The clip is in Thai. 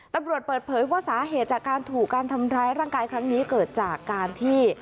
ตำรวจเปิดเผยว่าสาเหตุจากการถูกการทำร้ายร่างกายครั้งนี้เกิดจากการที่